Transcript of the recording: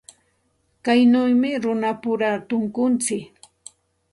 Kaynawmi runapura tunkuntsik.